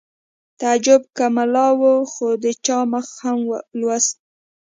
تعجب که ملا و خو د چا مخ هم لوست